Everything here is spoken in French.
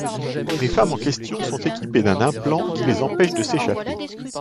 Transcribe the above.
Les femmes en question sont équipées d'un implant qui les empêche de s'échapper.